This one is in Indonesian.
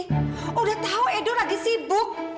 sudah tahu edo lagi sibuk